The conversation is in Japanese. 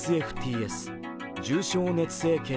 ＳＦＴＳ＝重症熱性血